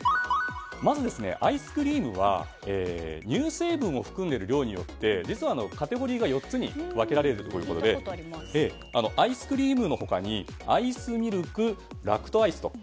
まず、アイスクリームは乳成分を含んでいる量によって実はカテゴリーが４つに分けられるということでアイスクリームの他にアイスミルク、ラクトアイスと。